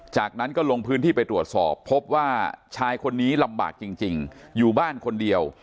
จากนั้นก็ลงพื้นที่ไปตรวจสอบพบว่าชายคนนี้ลำบากจริงอยู่บ้านคนเดียว